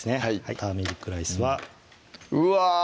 ターメリックライスはうわ！